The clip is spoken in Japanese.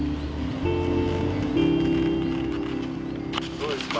どうですか？